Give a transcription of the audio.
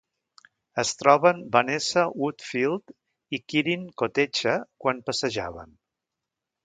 El troben Vanessa Woodfield i Kirin Kotecha quan passejaven.